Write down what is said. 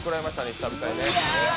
久々にね。